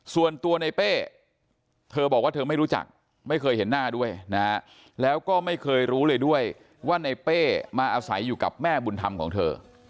ส่วนตัวในเป้เธอบอกว่าเธอไม่รู้จักไม่เคยเห็นหน้าด้วยนะฮะแล้วก็ไม่เคยรู้เลยด้วยว่าในเป้มาอาศัยอยู่กับแม่บุญธรรมของเธอ